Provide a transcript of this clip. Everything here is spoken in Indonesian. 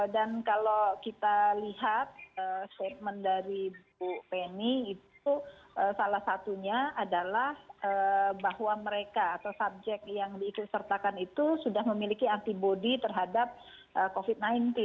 dan kalau kita lihat statement dari bu penny itu salah satunya adalah bahwa mereka atau subjek yang diikutsertakan itu sudah memiliki antibody terhadap covid sembilan belas